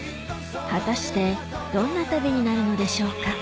果たしてどんな旅になるのでしょうか？